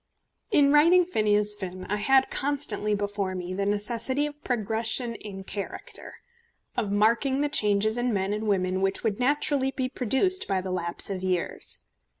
In writing Phineas Finn I had constantly before me the necessity of progression in character, of marking the changes in men and women which would naturally be produced by the lapse of years.